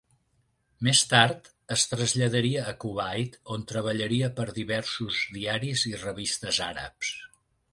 Més tard es traslladaria a Kuwait on treballaria per diversos diaris i revistes àrabs.